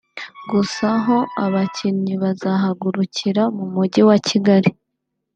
gusa ho abakinnyi bazahagurukira mu Mujyi wa Kigali